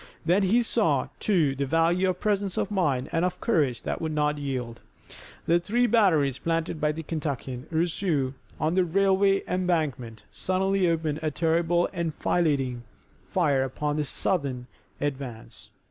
Then he saw, too, the value of presence of mind and of a courage that would not yield. The three batteries planted by the Kentuckian, Rousseau, on the railway embankment suddenly opened a terrible enfilading fire upon the Southern advance.